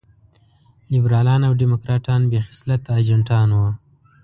لېبرالان او ډيموکراټان بې خصلته اجنټان وو.